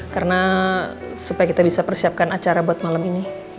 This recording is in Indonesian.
karena supaya kita bisa persiapkan acara buat malam ini